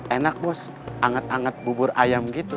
enak bos hangat anget bubur ayam gitu